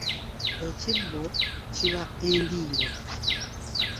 Ekibbo kiba endiiro.